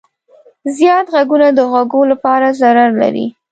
زیات غږونه د غوږو لپاره ضرر لري.